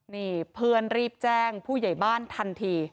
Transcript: นี่เพื่อนรีบแจ้งผู้ใหญ่บ้านทันที